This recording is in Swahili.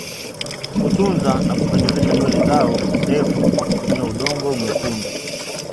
Kutunza na kupendezesha nywele zao ndefu kwa kutumia udongo mwekundu